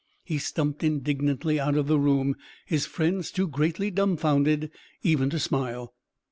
He stumped indignantly out of the room, his friends too greatly dumfounded even to smile.